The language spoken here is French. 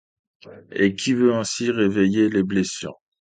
Et qui veut ainsi réveiller les blessures?